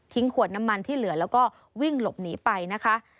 ขวดน้ำมันที่เหลือแล้วก็วิ่งหลบหนีไปนะคะ